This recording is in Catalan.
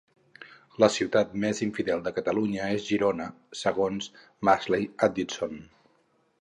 La ciutat més infidel de Catalunya és Girona, segons Mashley Addison